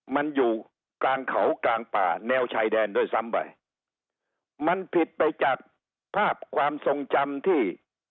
มันอยู่กลางเขากลางป่าแนวชายแดนด้วยซ้ำไปมันผิดไปจากภาพความทรงจำที่